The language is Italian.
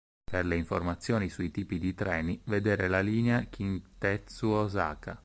Per le informazioni sui tipi di treni, vedere linea Kintetsu Ōsaka.